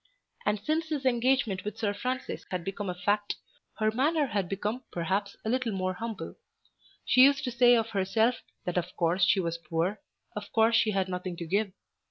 And since this engagement with Sir Francis had become a fact, her manner had become perhaps a little more humble. She used to say of herself that of course she was poor; of course she had nothing to give.